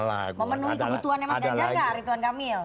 memenuhi kebutuhan mas ganjar gak ridwan kamil